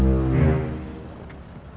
terus aku mau pergi ke rumah